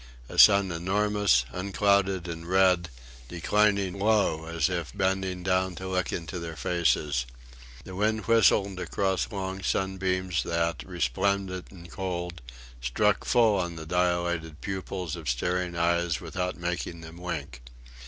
A sun enormous, unclouded and red, declining low as if bending down to look into their faces. The wind whistled across long sunbeams that, resplendent and cold, struck full on the dilated pupils of staring eyes without making them wink.